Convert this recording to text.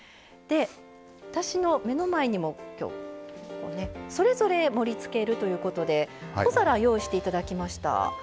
私の目の前にも、今日それぞれ盛りつけるということで小皿、用意していただきました。